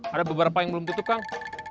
ada beberapa yang belum tutup kang